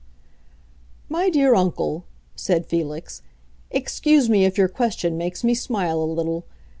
"My dear uncle," said Felix, "excuse me if your question makes me smile a little.